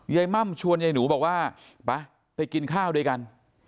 ม่ำชวนยายหนูบอกว่าไปไปกินข้าวด้วยกัน